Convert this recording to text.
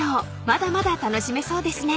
まだまだ楽しめそうですね］